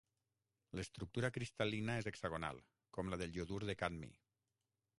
L'estructura cristal·lina és hexagonal, com la del iodur de cadmi.